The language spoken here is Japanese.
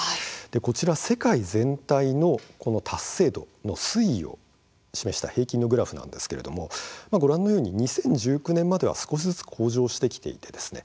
こちら世界全体の達成度の推移を示した平均のグラフなんですがご覧のように２０１９年までは少しずつ向上してきています。